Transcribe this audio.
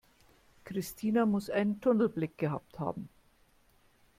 Christina muss einen Tunnelblick gehabt haben.